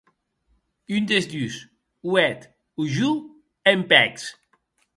Un des dus, o eth o jo, èm pècs.